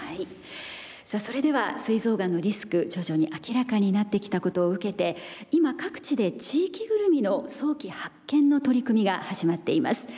それではすい臓がんのリスク徐々に明らかになってきたことを受けて今各地で地域ぐるみの早期発見の取り組みが始まっています。